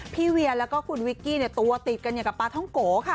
เวียแล้วก็คุณวิกกี้ตัวติดกันอย่างกับปลาท้องโกค่ะ